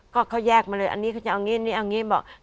ก็เขาแยกมาเลยอันนี้เขาจะเอาอย่างนี้บอก